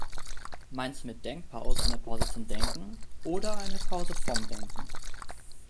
Meinst du mit Denkpause eine Pause zum Denken oder eine Pause vom Denken?